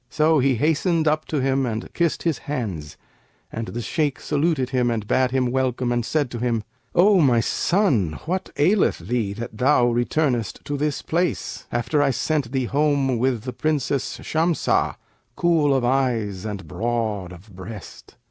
So he hastened up to him and kissed his hands; and the Shaykh saluted him and bade him welcome and said to him, 'O my son, what aileth thee that thou returnest to this place, after I sent thee home with the Princess Shamsah, cool of eyes and broad of breast?'